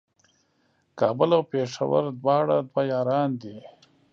کابل او پېښور دواړه دوه یاران دي